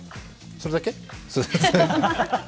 それだけ？